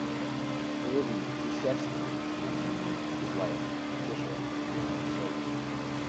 He lives in Chichester, New Hampshire with his wife, Patricia, and their two children.